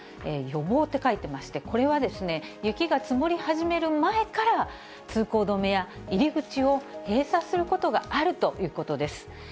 予防って書いてまして、これは雪が積もり始める前から、通行止めや、入り口を閉鎖することがあるということです。